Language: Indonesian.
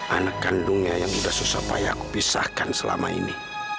anak kandungnya yang sudah susah payah pisahkan selama ini